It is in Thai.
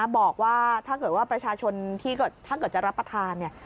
บอกว่าถ้าเกิดว่าประชาชนที่ถ้าเกิดจะรับประทานเนี่ย